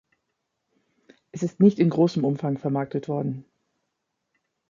Es ist nicht in großem Umfang vermarktet worden.